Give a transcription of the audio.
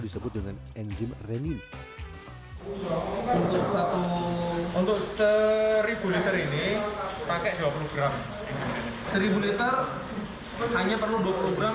tersebut dengan enzim renin untuk seribu liter ini pakai dua puluh gram seribu liter hanya perlu dua puluh gram